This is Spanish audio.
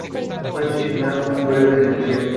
Fue asesinado en breve en acción.